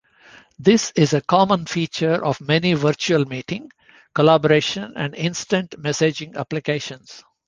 This is a common feature of many virtual meeting, collaboration, and instant messaging applications.